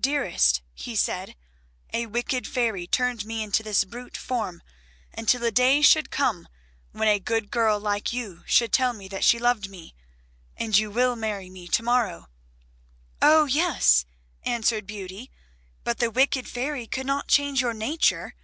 "Dearest," he said, "a wicked fairy turned me into this brute form until a day should come when a good girl like you should tell me that she loved me. And you will marry me to morrow." "Oh, yes," answered Beauty, "but the wicked fairy could not change your nature.